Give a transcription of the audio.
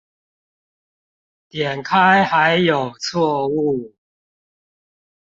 點開還有錯誤